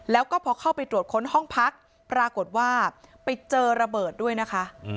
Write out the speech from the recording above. แล้วก็พอเข้าไปตรวจค้นห้องพักปรากฏว่าไปเจอระเบิดด้วยนะคะ